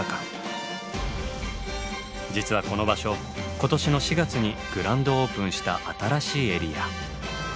今年の４月にグランドオープンした新しいエリア。